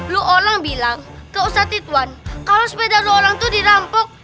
lu orang bilang ke ustadz itu kalau sepeda lu orang tuh dirampok